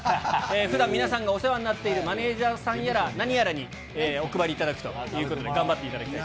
ふだん、皆さんがお世話になっているマネージャーさんやら何やらにお配りいただくということで、頑張っていただきたい。